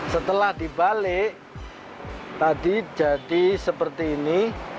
setelah dibalik tadi jadi seperti ini